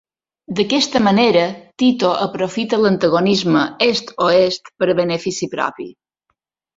D'aquesta manera, Tito aprofita l'antagonisme est-oest per a benefici propi.